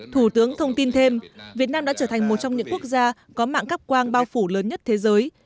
thủ tướng thông tin thêm việt nam đã trở thành một trong những quốc gia có mạng cắp quang bao phủ lớn nhất thế giới